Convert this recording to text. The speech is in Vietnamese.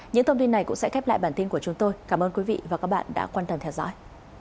những thông tin này cũng sẽ khép lại bản tin của chúng tôi cảm ơn quý vị và các bạn đã quan tâm theo dõi